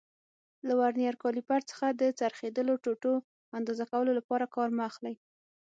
له ورنیز کالیپر څخه د څرخېدلو ټوټو اندازه کولو لپاره کار مه اخلئ.